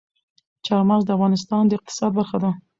چار مغز د افغانستان د اقتصاد برخه ده.